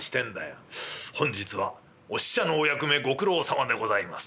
「本日はお使者のお役目ご苦労さまでございます。